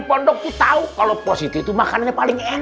pondok tahu kalau positi itu makan yang paling enak